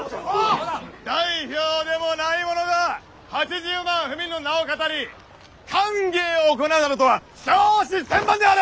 代表でもない者が８０万府民の名を騙り歓迎を行うなどとは笑止千万である！